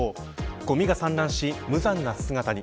ごみが散乱し、無残な姿に。